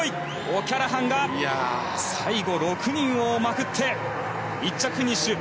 オキャラハンが最後、６人をまくって１着フィニッシュ。